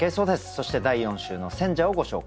そして第４週の選者をご紹介いたしましょう。